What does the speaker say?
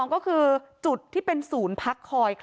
ก็คือจุดที่เป็นศูนย์พักคอย